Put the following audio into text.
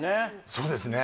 そうですね